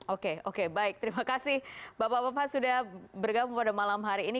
oke oke baik terima kasih bapak bapak sudah bergabung pada malam hari ini